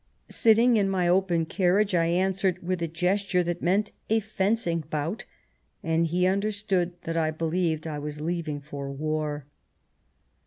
Sitting in my open carriage, I answered with a gesture that meant a fencing bout, and he understood that I believed I was leaving for war."